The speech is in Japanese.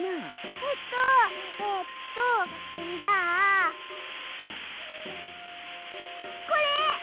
えっとえっとじゃあこれ！